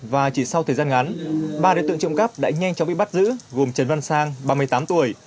và chỉ sau thời gian ngắn ba đối tượng trộm cắp đã nhanh chóng bị bắt giữ gồm trần văn sang ba mươi tám tuổi